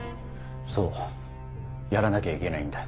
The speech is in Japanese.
そうやらなきゃいけないんだ。